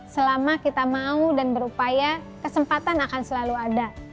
selama kita mau dan berupaya kesempatan akan selalu ada